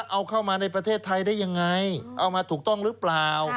เอามาถูกต้องหรือเปล่า